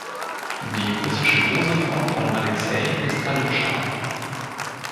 Die russische Koseform von Alexei ist Aljoscha.